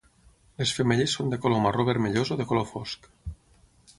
Les femelles són de color marró-vermellós o de color fosc.